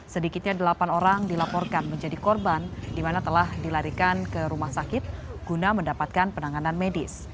sedikitnya delapan orang dilaporkan menjadi korban di mana telah dilarikan ke rumah sakit guna mendapatkan penanganan medis